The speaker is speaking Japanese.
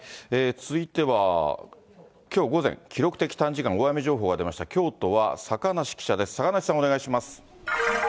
続いては、きょう午前、記録的短時間大雨情報が出ました京都は坂梨記者です。